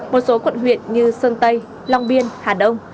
một số quận huyện như sơn tây long biên hà đông